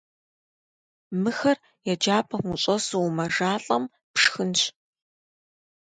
Мыхэр еджапӀэм ущӀэсу умэжалӀэм, пшхынщ.